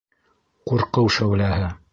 Ҡурҡыу шәүләһе.